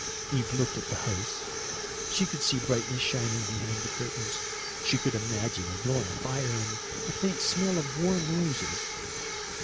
Eve looked at the house. She could see brightness shining behind the curtains. She could imagine a glowing fire and a faint smell of warm roses.